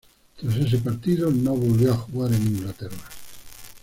Tras este partido no volvió a jugar en Inglaterra.